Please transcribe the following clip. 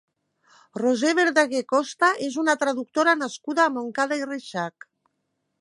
Roser Berdagué Costa és una traductora nascuda a Montcada i Reixac.